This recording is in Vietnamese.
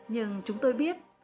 nhưng chúng tôi biết